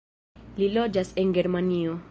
Li loĝas en Germanio.